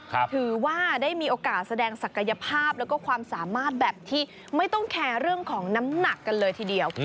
ถือว่าได้มีโอกาสแสดงศักยภาพแล้วก็ความสามารถแบบที่ไม่ต้องแคร์เรื่องของน้ำหนักกันเลยทีเดียว